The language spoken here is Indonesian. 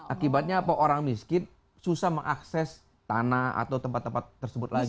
akibatnya apa orang miskin susah mengakses tanah atau tempat tempat tersebut lagi